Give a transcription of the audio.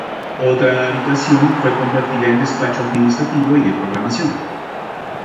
Otra habitación fue convertida en despacho administrativo y de programación.